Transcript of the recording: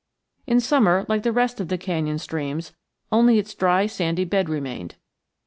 In summer, like the rest of the canyon streams, only its dry sandy bed remained.